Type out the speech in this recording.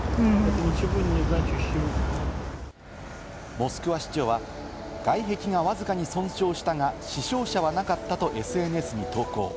モスクワ市長は、外壁がわずかに損傷したが、負傷者はなかったとＳＮＳに投稿。